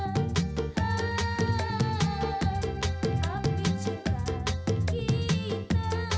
mulai bakal indah